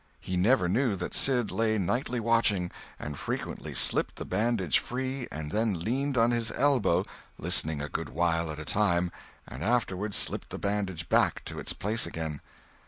He never knew that Sid lay nightly watching, and frequently slipped the bandage free and then leaned on his elbow listening a good while at a time, and afterward slipped the bandage back to its place again.